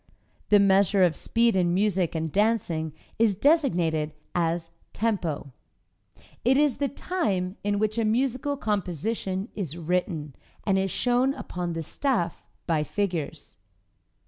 The measure of speed in music and dancing is designated as "tempo." It is the "time" in which a musical composition is written, and is shown upon the "staff" by figures.